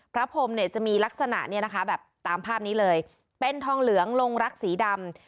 พรมเนี่ยจะมีลักษณะเนี่ยนะคะแบบตามภาพนี้เลยเป็นทองเหลืองลงรักสีดำ